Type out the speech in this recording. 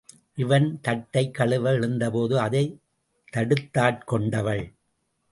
இவன், தட்டைக் கழுவ எழுந்தபோது அதை தடுத்தாட் கொண்டவள்.